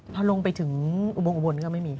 พอลงไปถึงอุบงอุบลก็ไม่มี